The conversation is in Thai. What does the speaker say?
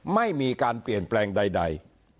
ไม่มีการเปลี่ยนแปลงใด